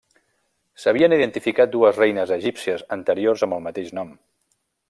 S'havien identificat dues reines egípcies anteriors amb el mateix nom.